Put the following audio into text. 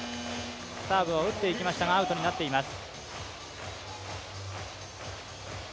サーブを打っていきましたがアウトになっています。